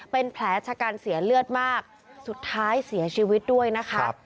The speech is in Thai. เป็นแผลชะกันเสียเลือดมากสุดท้ายเสียชีวิตด้วยนะคะ